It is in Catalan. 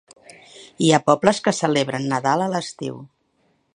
Hi ha pobles que celebren Nadal a l'estiu.